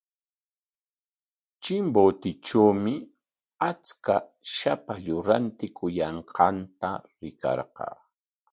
Chimbotetrawmi achka shapallu rantikuyanqanta rikarqaa.